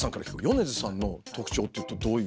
米津さんの特徴ってどういう？